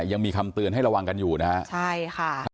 ยังมีคำเตือนให้ระวังกันอยู่นะฮะใช่ค่ะ